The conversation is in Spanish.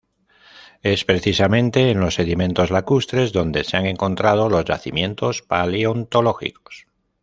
Es precisamente en los sedimentos lacustres donde se han encontrado los yacimientos paleontológicos.